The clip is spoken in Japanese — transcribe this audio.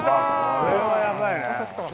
「これはやばいね」